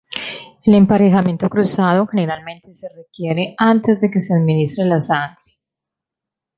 El emparejamiento cruzado generalmente se requiere antes de que se administre la sangre.